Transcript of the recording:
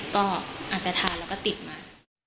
ก็อาจจะทานแล้วก็ติดมา